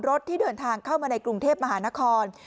ที่เดินทางเข้ามาในกรุงเทพมหานคร